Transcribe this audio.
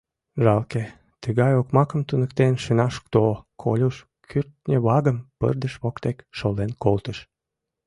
— Жалке, тыгай окмакым туныктен шына шукто, — Колюш кӱртньӧ вагым пырдыж воктек шолен колтыш.